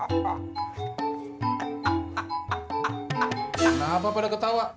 kenapa pada ketawa